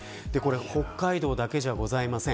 北海道だけではありません。